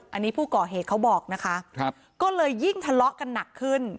อันนี้ผู้ก่อเหตุเขาบอกนะคะก็เลยยิ่งทะเลาะกันหนักขึ้น